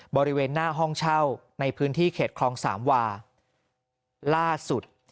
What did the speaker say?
บริเวณหน้าห้องเช่าในพื้นที่เขตคลองสามวาล่าสุด